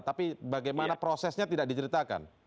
tapi bagaimana prosesnya tidak diceritakan